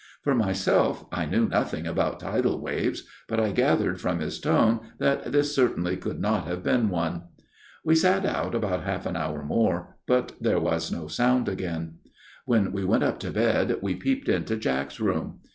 For myself, I knew nothing about tidal waves ; but I gathered from his tone that this certainly could not have been one. " We sat out about half an hour more, but there was no sound again. " When we went up to bed we peeped into Jack's room.